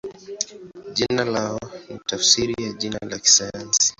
Jina lao ni tafsiri ya jina la kisayansi.